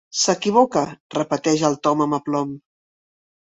S'equivoca —repeteix el Tom amb aplom—.